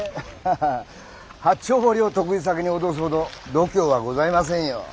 ハハ八丁堀を得意先に脅すほど度胸はございませんよ。